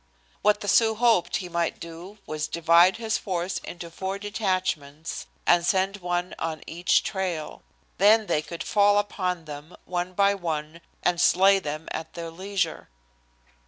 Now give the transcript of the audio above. What the Sioux hoped he might do was divide his force into four detachments and send one on each trail. Then they could fall upon them, one by one, and slay them at their leisure.